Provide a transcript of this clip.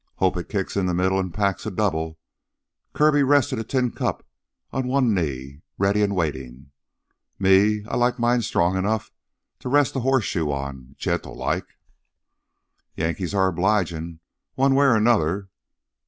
"Hope it kicks in the middle an' packs double." Kirby rested a tin cup on one knee, ready and waiting. "Me, I like mine strong enough to rest a horseshoe on ... gentlelike." "Yankees are obligin', one way or another."